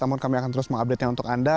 namun kami akan terus mengupdate nya untuk anda